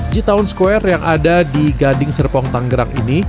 g town square yang ada di gading serpong tanggerang ini